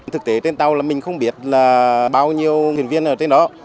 thực tế trên tàu là mình không biết là bao nhiêu thuyền viên ở trên đó